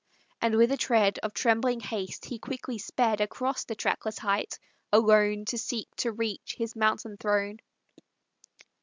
And with a tread Of trembling haste, he quickly sped Along the trackless height, alone To seek, to reach, his mountain throne.